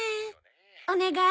お願い。